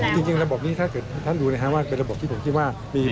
จริงระบบนี้ถ้าเธอรู้ว่าเป็นระบบที่ผมคิดว่า